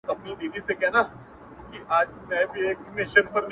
o غوږ سه راته ـ